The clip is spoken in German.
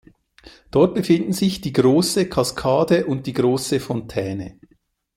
Dort befinden sich die große Kaskade und die große Fontäne.